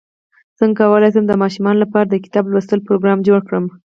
څنګه کولی شم د ماشومانو لپاره د کتاب لوستلو پروګرام جوړ کړم